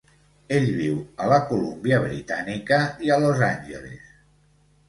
Ell viu a la Colúmbia Britànica i a Los Angeles.